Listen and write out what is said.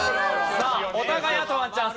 さあお互いあとワンチャンス。